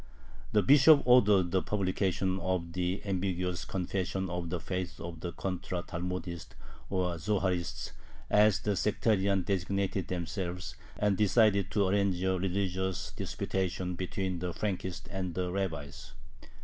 The Bishop ordered the publication of the ambiguous confession of faith of the "Contra Talmudists" or "Zoharists" as the sectarians designated themselves and decided to arrange a religious disputation between the Frankists and the rabbis.